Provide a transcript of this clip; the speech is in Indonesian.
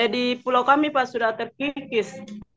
di pulau kami pak sudah terkikis